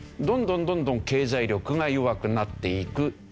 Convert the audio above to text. どんどんどんどん経済力が弱くなっていく。